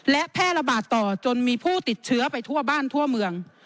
และแพร่ระบาดต่อจนมีผู้ติดเชื้อไปทั่วบ้านทั่วเมือง